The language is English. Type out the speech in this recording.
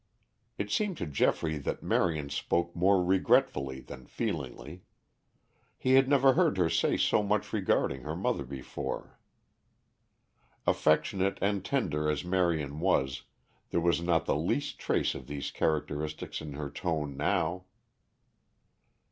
It seemed to Geoffrey that Marion spoke more regretfully than feelingly. He had never heard her say so much regarding her mother before. Affectionate and tender as Marion was, there was not the least trace of these characteristics in her tone now.